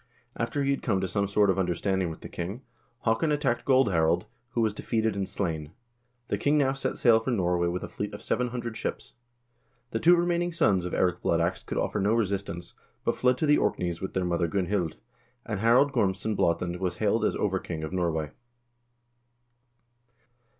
After he had come to some sort of understanding with the king, Haakon attacked Gold Harald, who was defeated and slain. The king now set sail for Norway with a fleet of 700 ships. The two remaining sons of Eirik Blood Ax could offer no resistance, but fled to the Orkneys with their mother Gunhild, and Harald Gormsson Blaatand was hailed as over king of Norway.